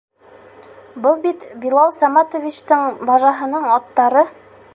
Был бит Билал Саматович-тың бажаһының аттары!